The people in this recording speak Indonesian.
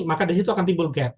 maka di situ akan timbul gap